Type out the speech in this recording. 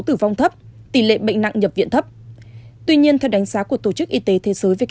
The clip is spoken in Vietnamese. tử vong thấp tỷ lệ bệnh nặng nhập viện thấp tuy nhiên theo đánh giá của tổ chức y tế thế giới